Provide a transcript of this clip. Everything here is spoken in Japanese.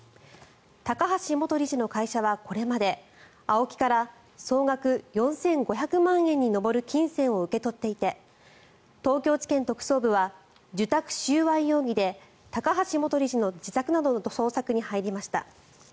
高橋元理事の会社はこれまでＡＯＫＩから総額４５００万円に上る金銭を受け取っていて東京地検特捜部は受託収賄容疑で高橋元理事の自宅などの捜索に入りました。